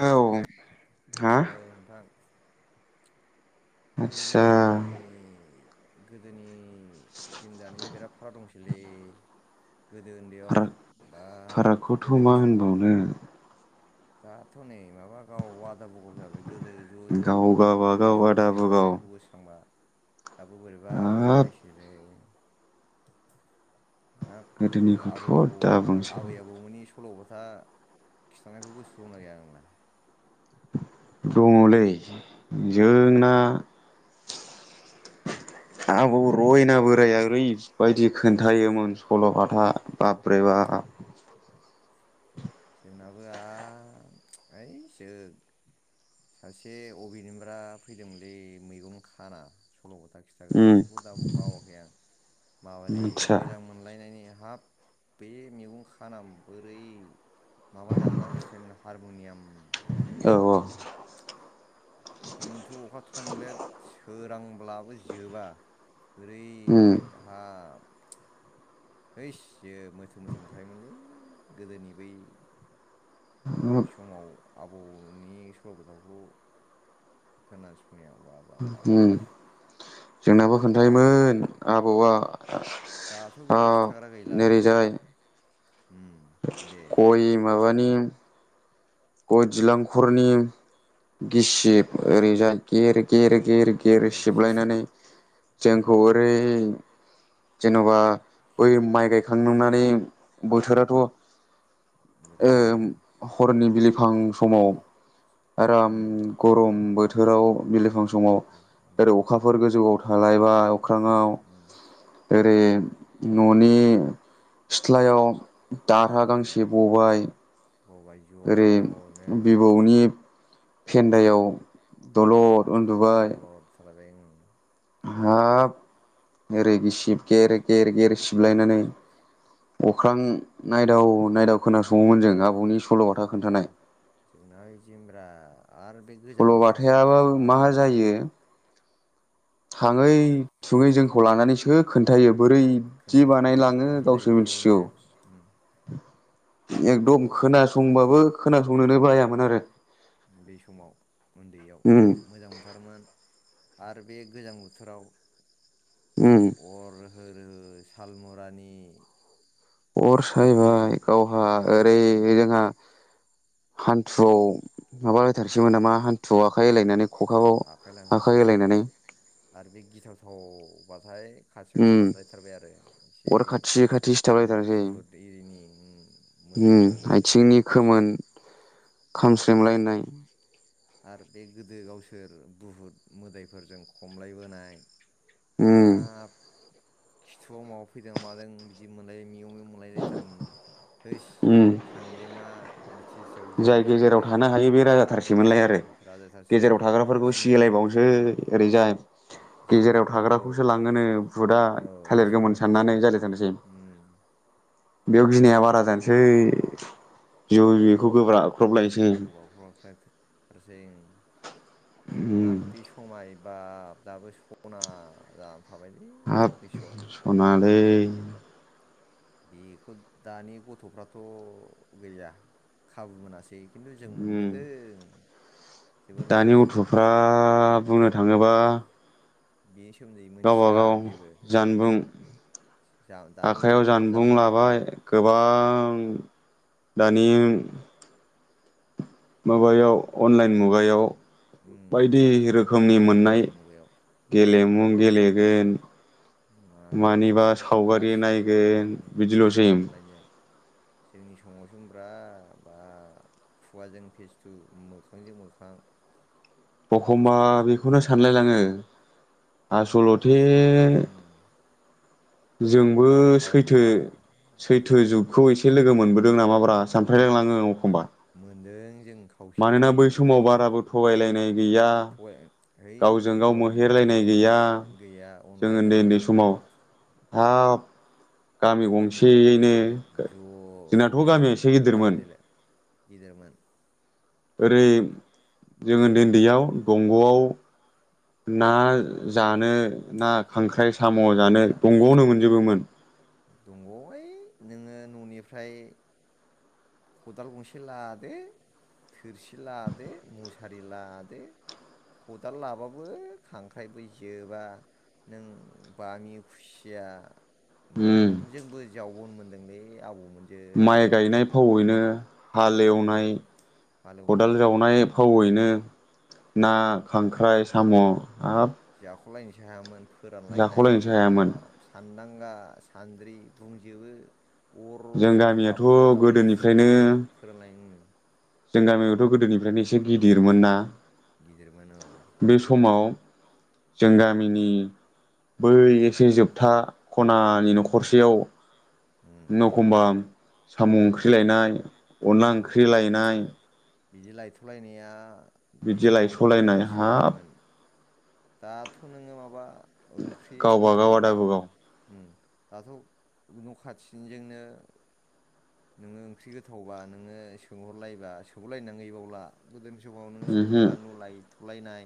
औ। हा? नोंथां आचसा गोदोनि गोदोनि नि जों दानिजों बिराद फाराग दंसैलै गोदो उन्दैयाव फाराग बा फारागखौथ' मा गोदोनि समाव होनबावनो दाथ' नै माबा गाव आदा बुगाव जाबाय गोदो ज' गाव ज' जों गाबागाव उन्दैयाव आदा बुगाव गेलेबोनायखौ गोसोखांबा दाबो बोरैबा हाब मोननलायसैलै हाब गोदो आबै गोदोनिखौथ' आबौ दा बुंसै आबै आबौमोननि सल'बाथा खिथानायखौ गोसो दंना गैया नोंलाय? दङ'लै जोंना आबौ रयना बोराया ओरैबायदि खोन्थायोमोन सल'बाथा बाब्रेबा जोंनाबो आ ओइसो सासे अबेनिब्रा फैदोंमोनलै मैगं खाना सल' बाथा खिथाग्रा उम बेखौ दाबो बावाखै आं माबालि आदसा मोजां मोनलायनायनि हाब बे मैगं खानाम बोरै माबा दामनानै खिथायोमोन हारम'नियाम। औ औ खेंन्थु अखा थमब्लेट सोर रांब्लाबो जोबा ओरै उम हाब हैजो मोथो मोथो मोनखायोमोनलै गोदोनि बै हाब समाव आबौनि सल' बाथाखौ खोनासंनायाव बा बा बा बा उम बा जोंनाबो खोन्थायोमोन दाथ' आबौआ। दाथ' बिदि हाब खिन्थाग्रा गैलालै नोरैजाय उम दे गय माबानि गयदिलांखरनि गिसिब ओरैजाय गेर गेर गेर गिर गेर गिरसि सिबलायनानै जोंखौ उम ओरै जेन'बा बै माइ गायखांननानै बोथोराथ' बोथोरा ओम ओं हरनि बिलि फां समाव आराम उम गरम बो थोराव बिलिफां समाव उम उम ओरै अखाफोर गोजौआव थालायबाय अख्राङाव उम ओरै न'नि सिथ्लायाव दारहा गांसे सिथ्लायाव उम बबाय बबाय ज'नो ओरै बिबौनि फेन्दायाव दलद उन्दुबाय दलद थालायबाय ओं। हाब ओरै गासिब गेर गेर गेर सिबलायनानै अख्रां नायदाव नायदाव नैयाव खोनासङोमोन जों आबौनि स सल'बाथा खोन्थानाय। जोंना जिमब्रा आरो बे गोजां बोथोरावथ' सल'बाथायाबा मा जायो हाबाब थाङै थुङै जोंखौ लानानैसो खोन्थायो। बोरैदि खोन्थायो बानायलाङो गावसो मिलायहैजोबो ने मिथिसिगौ। अ एकदम गो खोनासंबाबो खोनासंनोनो बायामोन आरो बे समाव उन्दैयाव उम मोजां मोनथारोमोन। आरो बे गोजां बोथोराव उम अर हो रोहो सालमुरानि अर सायबाय अर गावहा हा ओरै उम जोंहा। हानथुआव माबाहोथारसैमोन नामा हान्थुआव आखाइ होलायनानै खखाखौ आखाइ लांहोसै आरो बे गिथावथाव बाथाय खाथियाव उम सिथाबलायथारबाय आरो एसे अर खाथि खाथि सिथाबलायथारसै बुहुत इरिनि उम उम मोदायफोरनि खामस्रेंलायनाय आर बे गोदो गावसोर बुहुद मोदायफोरजों खमलायबोनाय उम। हाब खिथुआव माबा फैदों मादों बिदि मोनलाय मिउ मिउ मोलायलायथारोमोन हैस उम सांग्रिमा रिथिसाव जोंनाय हानाय हायौ बे राजाथारखिमोनलाय आरो राजाथारसै गेजेराव थाग्राफोरखौ जिं सिलायबावनोसै उम ओरैजाय। जिङाव गेजेराव थाग्राफोरखौ थाग्राखौसो लाङोनो बुदा औ थालिरगौमोन साननानै जालायथारनोसै उम बेयाव गिनाया बारा जानोसै उम ज' यो गुगोब्राब [unintelligible] उम हाब बे स'माय बा दाबो स'ना जा हाब स'ना लै [unintelligible] बेखौ दानि गथ'फ्राथ' गैया खाबु मोनासै खिन्थु जों उम मोनबोदों जोबोर दानि मोनबोदों जों गथ'फ्रा बुङो थाङोबा बेछ गावबागाव जानबुं जा दानि आखाइयाव जुगावथ' जानबुं जामुं लाबाय फैबाय गोबां दानि माबायाव अनलाइन मुगायाव बायदि रोखोमनि उम ए मोननाय आइ मुगायाव गेलेमु गेलेगोन। मा मानिबा गेलेगोन सावगारि गासिबो नायगोन उम बिदिल'सै अनलाइनजों जोंनि समाव जुमब्रा बा खुवाजों फेस्थु मोखांजों मोखां एखमबा बेखौनो सानलायलाङो। बै आसलथे समा उम बै समा जोंबो दाबो सैथो थाबोदोंबा सैथो जुग जुगखौ एसे लोगो मोनबो दों [unintelligible] मो सानफ्रांलायलांङो अ खमबा। मोनदों जों खावसे मानोना लोगो बै मोनबोदों समाव बाराबो थगायलायनाय गैया थगाय है गावजों गाव एकदमबारे मोहेरलायनाय उम गैया गैया जों उन्दै अनलायनानै उन्दै समाव। हाब गामि गंसे यैनो बिदिनो जोंनाथ' ज'नो गामियाव एसे गिदिरमोन। हालोदैलाय गिदिरमोन। ओरै जोङो उन्दै उन्दैयाव दंग'आव ना जानो ना खांख्राइ साम' जानो जा दंग'आवनो मोनजोबोमोन। दंग' ओइ नोङो न'निफ्राय खदाल गंसे लादो थोरसि लादो मुसारि लादो खदाल लाबाबो खांख्राइबो जोबा नों बामि, खुसिया उम मोनोमोन जोंबो जाव [inaudible] माइ गायनाय फावैनो। [inaudible] उम हालेवनाय खदाल हालेवनाय जावनाय। फावैनो ना खांख्राइ साम' हाब। जाख'लायनोसै हायामोन। फोरानलायनाय जाख'लायनोसो हायामोन सान्दां गा सान्द्रि बुंजोबो। जों अरमोन गामियाथ' दाबथाम दाब्रै गोदोनिफ्रायनो सुयो फोरलायनो। जों गामियावथ' गोदोनिफ्रायनो एसे गिदिरमोनना। [inaudible] जों गामिनि बै एसे जोबथा खनानि न'खरसेयाव उम एखनबा। साम' ओंख्रि लायनाय अनला साम' ओंख्रि लायनाय। बिदि लायथ'लायनाया। बे बिदि समावब जा लायस'लायनाय हाब सोलियोमोन। दाथ नोङो माबा। ओंख्रि गावबा गाव गोथावबा आदाबो गाव उम। दाथब न' खाथिनिजोंनो नोङो ओंख्रि गोथावबा। नोङो सोंहरलायबा सौबोलायनांङानो गैबावला। गोदोनि समाव नोङो संख्रि ओमहो बानलु लायथ उलायनाय।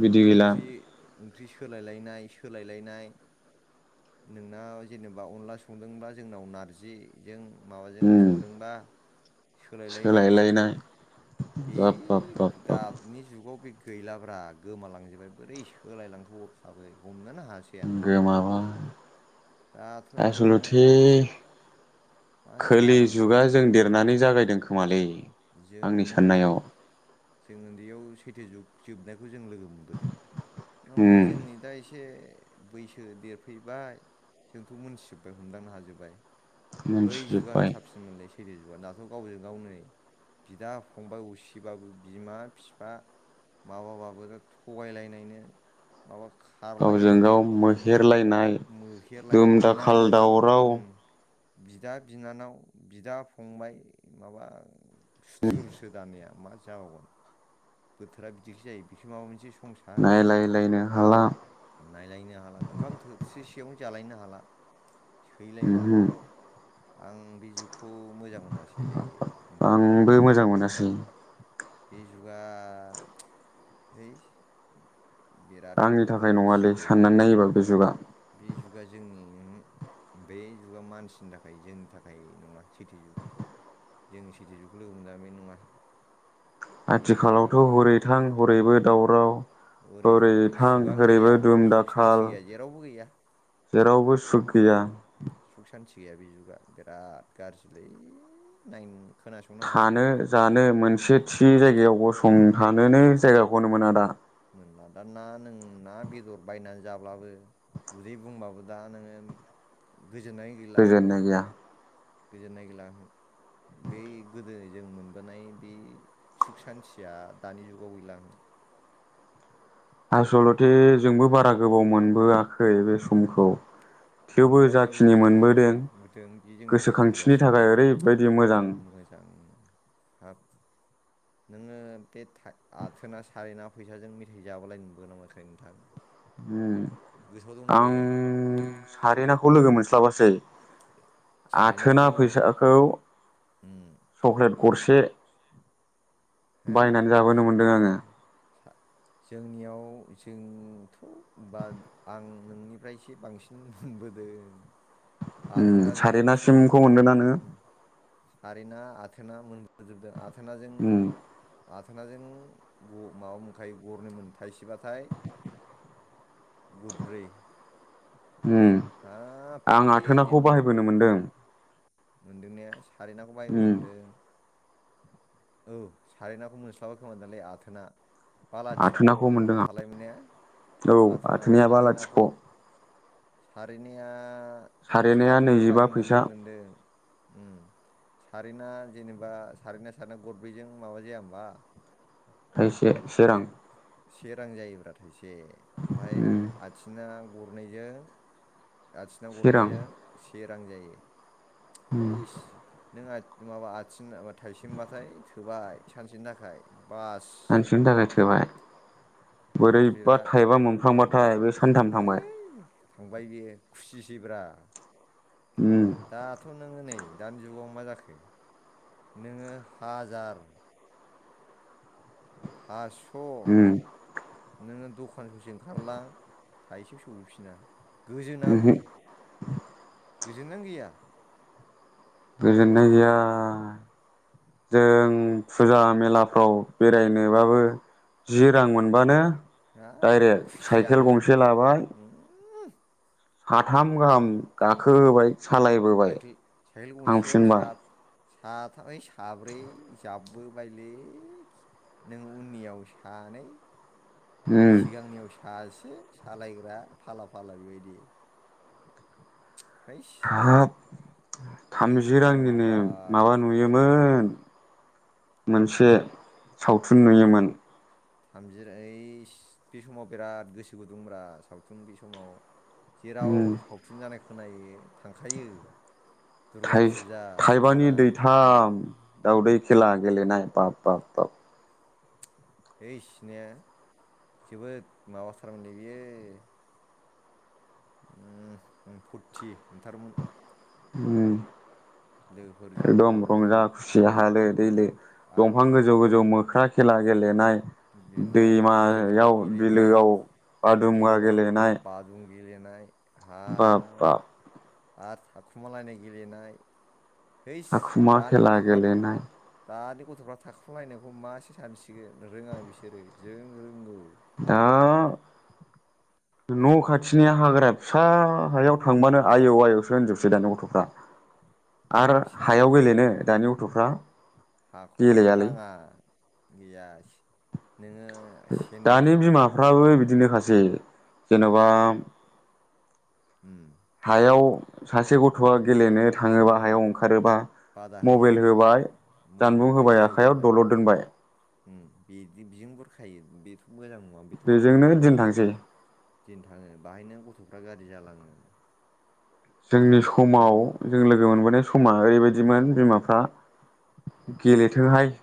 बिदि नोङो गैला ओंख्रि। ओंख्रि सोलालायनाय सोलायलायनाय नोंना जेनेबा अनला संदोंब्लाा जोंनाव नारजिजों। माबाजों उम संद दों बा सोलायलायनाय बे बाब बाब बाब बाब दाबनि जुगाव बे गैलाब्रा गोमालांजोबबाय बोरै सोलायलांखो हरखाबै हमनो हा। गोमाबाय। दाथ' नोङो आसलथे मा खोलि जालांखो जुगा जों बेबा देरनानै जागायदों खोमालै। जों आंनि साननायाव। जों उन्दैयाव सैथो जुग जोबनायग खौ जों लोगो मोनबोदों उम ओमफाय जोंनि दा एसे बैसो देरफैबाय जोंथ' मोनथिजोबबाय हमदांनो हाजोबबाय बै जुगानो मोनथिजोब्बाय साबसिन मोनलै सै थो जुगा दाथ' गावजों गाव नै बिदा-फंबाय असिबाबो बिमा-फिफा माबाबाबो थगायलायनायनो माबा गावजों खारलायनायनो गाव मोहेरलायनाय मोहेरलायनाय दुम एना दाखाल एनि दावराव उम बिदा-बिनानाव बिदा-फंबाय माबा सुथुरसो दानिया मा जाबावगोन? बोथोरा बिदिखि जायो बिख माबा मोनसे स संसार नायलायलायनो हाला नायलायनो हाला ओंखाम थोबथिसेयावनो जालायननो हाला सैलायला ओमहो आं बे जुगखौ मोजां मोनासैलै नोंथां। सै। बे जुगा है। बिराद आंनि थाखाय नङालै गोरोन्थिलै साननानै नायोबा बे जुगा। बे जुगा जोंनि बे जुगा मानसिनि थाखाय जोंनि थाखाय नङा सैथो जुग जों सैथो जुग लोगो मोननाया बे नङा। बे आथिखालावथ' हरैथां हरैबो दावराव ओरै थाङै थां सुगानो ओरैबो गैया दुम सुख सान्थि दाखाल गैया जेरावबो गैया जेरावबो सुख गैया। सुख सान्थि गैया बे जुगा बिराद गाज्रिलै नायनो। खोनासंनो हाला थानो जानो मोनसे थि जायगायाव गसंथानोनो जायगाखौनो मोना दा। मोनला दा ना नों ना बेदर बायनानै जाब्लाबो उदै बुंबाबो दा नोङो गोजोननाय गैला। गोजोननाय गैया गोजोन्नाय गैला बै गोदो जों मोनबोनाय बे सुख सान्थिया दानि जुगाव गैला। आसलथे जोंबो बारा गोबाव मोनबोआखै बे समखौ थेवबो मोनबोआखैबाबो जों जाखिनि मोनबोदों खावसेबोदों बे जोंनि थाखाय गोसोखांथिनि थाखाय थोजासेमोनलै ओरैबायदि मोजां मोजां हाब नोङो बे था-आथोना सारेना फैसाजों मेथाइ जाबोलायनो मोनगोना मोनाखै नोंथां? उम गोसोआव दंना आं गैया सारेनाखौ लोगो मोनस्लाबाखिसै। आथोना सारेनाखौ फैसाखौ उम सक्लेट गरसे हो बायनानै जाबोनो मोनदों आङो जोंनियाव जोंथ' बा आं नोंनिफ्रायसो बांसिन मोनबोदों। उम आथोनाजों सारेनासिमखौ मोनदोंना नोङो? सारेना आथ आथोना मोनबोजोबदों आ थोनाजों उम थोनाजों माबा मोन थाइ गरनै थायसेबाथाय गदब्रै। उम आं आथोनाखौ जों बाहायबोनो मोनदों। मोनदोंनाया? सारैनाखौ बाहाय बोनो उम मोनदों औ साराय नाखौ मोनस्लाब खोमा दालै आथोना बालाथिख' आथोनाखौ मोनदों आं थालाय मोना औ आथोना आथोनाया बा सारै लाथिख' नाखौ सारिनिया सारेनाया सारेनाखौ नैजिबा बाहायनो फैसा मोनदों मोनदों उम सारेना जेनेबा सारेना साना गरब्रैजों माबा जाया होनबा? थायसे से रां। से रांजायोब्रा थायसे एखे ओमफाय उम आथिना गरनैजों आथिना से रां गरनैजों से रां जायो उम इस नों माबा आथि मा थाइसे मोनबाथाय थोबाय सानसेनि थाखाय बास सानसेनि थाखाय थोबाय बोरैबा चक्लेटआ थाइबा मोनफ्लांबाथाय बे सानथाम थांबाय सिब्रा उम दाथ' नों नै दानि जुगाव मा जाखो नोङो हाजार फास उम नोङो दखान ससे ओंखारलां थाइसेबो सफैफिना गोजोनाबो उमहो गोजोननायानो गैया गोजोननाय गैया जों फुजा मेलाफ्राव बेरायनोबाबो जि रां मोनबानो ओइ डाइरेक्ट साइकेल खुसियानो गंसे लाबाय उम, साथाम गाहाम गाखो होबाय सालायबोबाय साइकेल थांफिनबाय साथामै यै साब्रै जाबबोबाय लै नों उननियाव सानै उम सिगांनियाव सासे सालायग्रा फाला फाला बेबायदि हैस हाब बे थामजि रांनि समा नो बा माबा नुयोमोन। मोनसे सावथुन नुयोमोन। थामजिर यैस बे समाव बिराद गोसो गुदुंब्रा सावथुन बे समाव। जेराव उम सावथुन जानायख खोनायो थांखायो। दुर्गा थाइज फुजा थायबानि जानाय उम दैथाम दावदै खेला गेलेनाय बाब-बाब-बाब है सिनाया जोबोद माबाथारमोनलै बियो। ओम होम फुरथि मोनथारोमोन। उम लोगोफोर ज' एकदम ज' रंजा खुसिया हालो उम दैलो आ दंफां गोजौ गोजौ मो ख्रा खेला गेलेनाय गेलेनाय दैमा सेलथाव याव गेलेनाय बिलोआव आदुमुवा बिलोआव गेलेनाय बाजुं गेलेनाय हा बाब बाब आर थाखुमालायनाय गेलेनाय हैस थाखुमा दानि खेला गथ'फ्रा गेलेनाय दानि गथ'फ्रा थाखुमालायनायखौ मासो सानसिगोन रोंङा बिसोरो जों रोंगौ। दा न' खाथिनि हाग्रा फिसा हायाव थांबानो आयौ आयौसो होनजोबसै दानि गथ'फ्रा। नों आरो फिसा हायाव गेलेनो दानि गथ'फ्रा हाखौनो गेलेयालै दांङा गैया नोङो सेन्देल दानि बिमाफ्राबो बिदिनो खा सै जेनेबा उम हायाव सासे गथ'आ गेलेनो थांङोबा उम हायाव ओंखारोबा बादा होयो मबाइल होबाय जानबुं मब्लेबाय होबाय गोजौ आखाइयाव दोनबाय दलद दोनबाय। बिदि बिजों बुरखायो [inaudible] मोजां नङा बेथ' मोजां बेजोंनो दिन नङा थांसै दिन थाङो बाहायनो गथ' [inaudible] गथफ्रा गाज्रि जालाङो [inaudible] जोंनि समाव नोङो जों लोगो मोनबोनाय समा ओरैबायदि बिदिमोन बिमाफ्रा गेलेथोंहाय।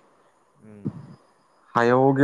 उम। [inaudible] हायाव